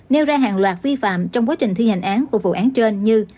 nêu ra hàng loạt vi phạm trong quá trình thi hành án của vụ án trên như